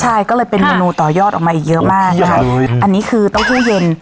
ใช่ก็เลยเป็นเมนูต่อยอดออกมาอีกเยอะมากนะคะอันนี้คือเต้าหู้เย็น